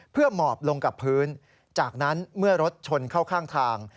เพื่อหมอบลงกับพื้นจากนั้นเมื่อรถชนเข้าข้างทาง